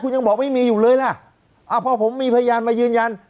คุณยังบอกไม่มีอยู่เลยล่ะอ่าพอผมมีพยานมายืนยัน